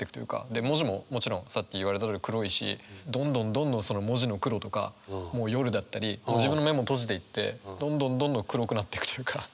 で文字もさっき言われたとおり黒いしどんどんどんどんその文字の黒とかもう夜だったり自分の目も閉じていってどんどんどんどん黒くなってくというか。